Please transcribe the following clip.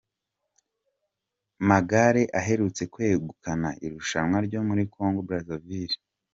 Magare aherutse kwegukana irushanwa ryo muri Congo Brazzaville.